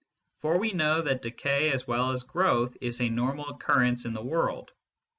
For we know that decay as well as growth is a normal occurrence in the world.